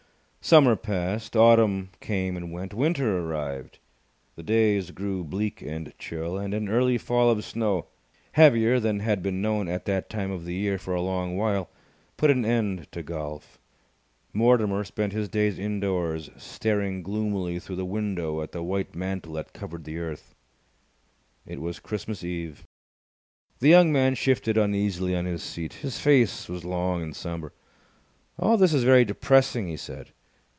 Summer passed. Autumn came and went. Winter arrived. The days grew bleak and chill, and an early fall of snow, heavier than had been known at that time of the year for a long while, put an end to golf. Mortimer spent his days indoors, staring gloomily through the window at the white mantle that covered the earth. It was Christmas Eve. The young man shifted uneasily on his seat. His face was long and sombre. "All this is very depressing," he said.